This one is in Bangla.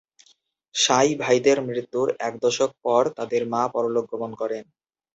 সাঁই-ভাইদের মৃত্যুর এক দশক পর তাদের মা পরলোক গমন করেন।